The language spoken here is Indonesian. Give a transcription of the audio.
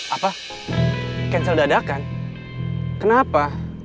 apa cancel dadakan kenapa